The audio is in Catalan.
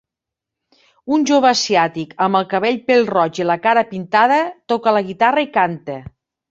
Un jove asiàtic amb el cabell pèl-roig i la cara pintada toca la guitarra i canta.